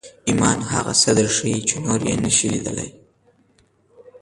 ایمان هغه څه درښيي چې نور یې نشي لیدلی